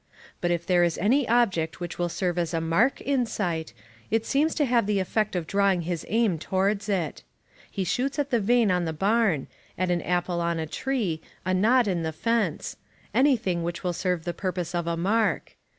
But if there is any object which will serve as a mark in sight, it seems to have the effect of drawing his aim towards it. He shoots at the vane on the barn, at an apple on a tree, a knot in a fence any thing which will serve the purpose of a mark.